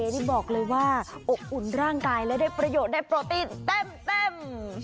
นี่บอกเลยว่าอบอุ่นร่างกายและได้ประโยชน์ได้โปรตีนเต็ม